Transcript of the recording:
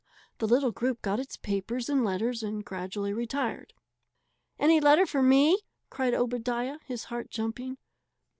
The little group got its papers and letters and gradually retired. "Any letter for me?" cried Obadiah, his heart jumping.